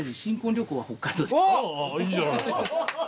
いいじゃないですか。